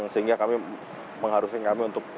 sehingga kami mengharuskan kami untuk